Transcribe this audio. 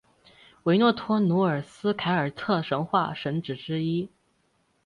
维诺托努斯凯尔特神话神只之一。